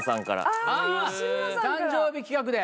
あぁ誕生日企画で。